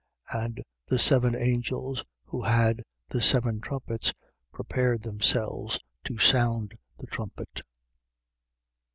8:6. And the seven angels who had the seven trumpets prepared themselves to sound the trumpet.